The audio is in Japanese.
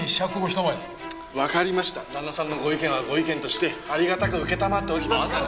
旦那さんのご意見はご意見としてありがたく承っておきますから。